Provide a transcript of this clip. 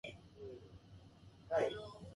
ががががががが。